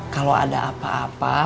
kalau ada apa apa